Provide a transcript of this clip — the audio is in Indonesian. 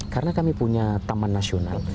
karena kami punya taman nasional